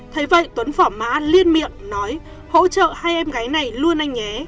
thấy vậy tuấn phỏ má liên miệng nói hỗ trợ hai em gái này luôn anh nhé